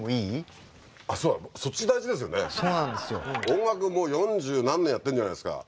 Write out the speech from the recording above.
音楽をもう四十何年やってるじゃないですか。